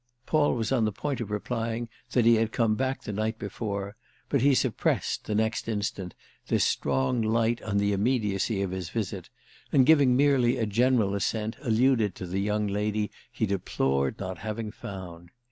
Paul was on the point of replying that he had come back the night before, but he suppressed, the next instant, this strong light on the immediacy of his visit and, giving merely a general assent, alluded to the young lady he deplored not having found.